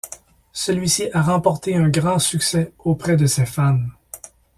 Celui-ci a remporté un grand succès auprès de ses fans.